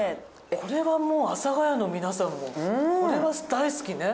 これはもう阿佐ヶ谷の皆さんもこれは大好きね。